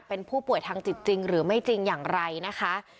เป็นผู้ป่วยทางจิตจริงหรือไม่จริงอย่างไรนะคะ